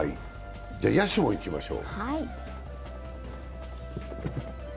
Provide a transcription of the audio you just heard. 野手もいきましょう。